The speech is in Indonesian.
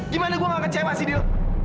gimana gue gak kecewa sih dio